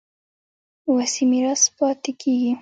وصي میراث پاتې کېږي.